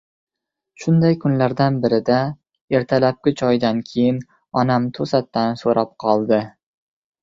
Shunday kunlardan birida ertalabki choydan keyin onam to‘satdan so‘rab qoldi: